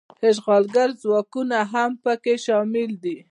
اشغالګر ځواکونه هم پکې شامل دي.